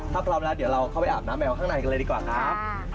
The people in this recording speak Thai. ถ้าพร้อมแล้วเดี๋ยวเราเข้าไปอาบน้ำแมวข้างในกันเลยดีกว่าครับ